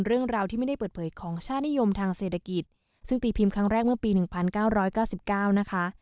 เรื่องราวที่ไม่ได้เปิดเผยของชาตินิยมทางเศรษฐกิจซึ่งตีพิมพ์ครั้งแรกเมื่อปีหนึ่งพันเก้าร้อยเก้าสิบเก้านะคะ